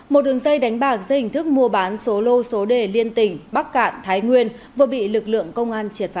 một đường dây đánh bạc dây hình thức mua bán số lô số đề liên tỉnh bắc cạn thái nguyên vừa bị lực lượng công an triệt phá